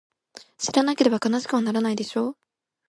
知らなければ悲しくはならないでしょ？